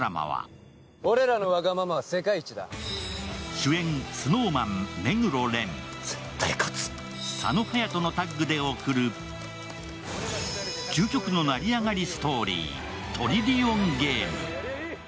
主演、ＳｎｏｗＭａｎ・目黒蓮、佐野勇斗のタッグで送る究極の成り上がりストーリー、「トリリオンゲーム」。